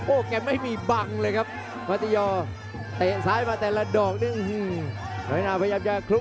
โอ้แกไม่มีบังเลยครับมัตยอเตะซ้ายมาแต่ละดอกนึงอืม